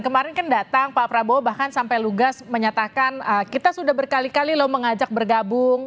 kemarin kan datang pak prabowo bahkan sampai lugas menyatakan kita sudah berkali kali loh mengajak bergabung